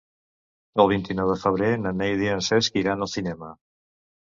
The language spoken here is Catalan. El vint-i-nou de febrer na Neida i en Cesc iran al cinema.